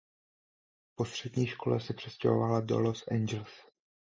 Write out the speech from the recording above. Po střední škole se přestěhovala do Los Angeles.